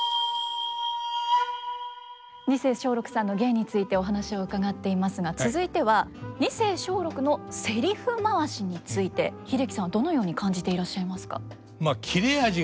二世松緑さんの芸についてお話を伺っていますが続いては二世松緑のせりふ回しについて英樹さんはどのように感じていらっしゃいますか？